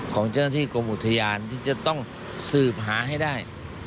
ของเจ้าหน้าที่กรมอุทยานที่จะต้องสืบหาให้ได้